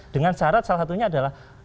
dengan syarat salah satunya adalah